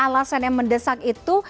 alasan yang mendesak itu